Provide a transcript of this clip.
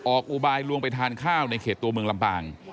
อุบายลวงไปทานข้าวในเขตตัวเมืองลำปาง